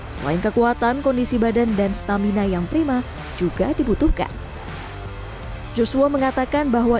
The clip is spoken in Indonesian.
selain kekuatan kondisi badan dan stamina yang prima juga dibutuhkan joshua mengatakan bahwa